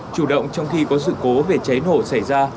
chủ động trong khi có sự cố về cháy nổ xảy ra